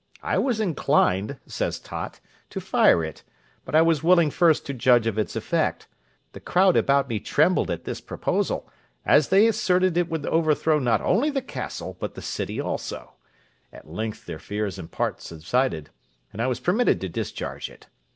I was inclined," says Tott, "to fire it, but I was willing first to judge of its effect; the crowd about me trembled at this proposal, as they asserted it would overthrow not only the castle, but the city also; at length their fears in part subsided, and I was permitted to discharge it.